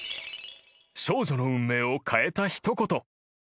［少女の運命を変えた一言］